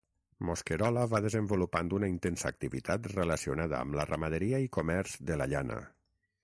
Mosquerola va desenvolupant una intensa activitat relacionada amb la ramaderia i comerç de la llana.